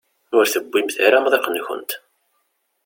Ur tewwimt ara amḍiq-nkent.